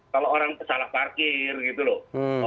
kalau orang salah parkir gitu loh